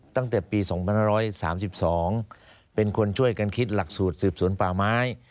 ตั้งแต่ปีสองพันร้อยสามสิบสองเป็นคนช่วยกันคิดหลักสูตรสืบศูนย์ปลาไม้